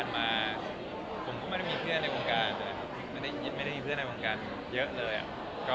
มาผมก็ไม่ได้มีเพื่อนในวงการเลยครับไม่ได้มีเพื่อนในวงการเยอะเลย